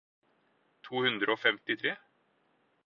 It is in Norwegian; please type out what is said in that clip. to hundre og femtitre